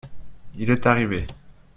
Il est arrivé.